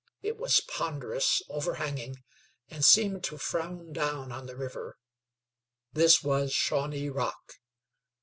It was ponderous, overhanging, and seemed to frown down on the river. This was Shawnee Rock.